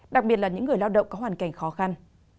đặc biệt là những người lao động có hoàn cảnh khó khăn